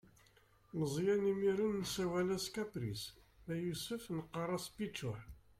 Meẓyan imir-n nessawal-as kapris, ma yusef neqqaṛ-as pinčuḥ.